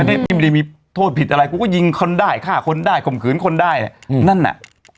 นี่พี่ไม่ได้มีโทษผิดอะไรกูก็ยิงคนได้ฆ่าคนได้ข่มขืนคนได้อืมนั่นน่ะ